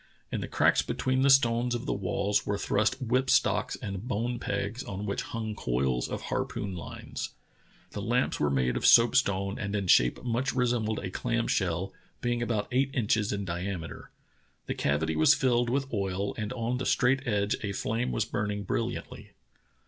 In the cracks between the stones of the walls were thrust whip stocks and bone pegs on which hung coils of harpoon lines. The lamps were made of soapstone and in shape much resembled a clam shell, being about eight inches in diameter. The cavity was filled with oil and on the straight edge a flame was burning brill iantly.